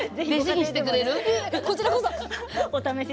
こちらこそ。